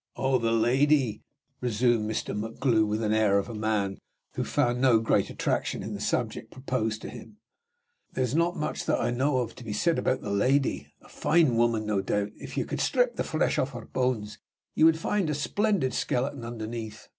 "Oh, the lady," resumed Mr. MacGlue, with the air of a man who found no great attraction in the subject proposed to him. "There's not much that I know of to be said about the lady. A fine woman, no doubt. If you could strip the flesh off her bones, you would find a splendid skeleton underneath.